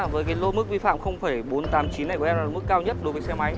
với lô mức vi phạm bốn trăm tám mươi chín này của em là mức cao nhất đối với xe máy